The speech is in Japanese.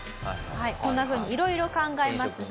こんな風にいろいろ考えますが。